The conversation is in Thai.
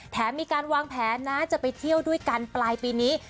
มีการวางแผนนะจะไปเที่ยวด้วยกันปลายปีนี้